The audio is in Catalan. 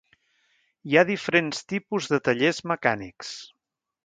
Hi ha diferents tipus de tallers mecànics.